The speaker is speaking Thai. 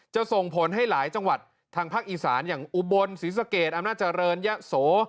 ส่งผลให้หลายจังหวัดทางภาคอีสานอย่างอุบลศรีสะเกดอำนาจเจริญยะโส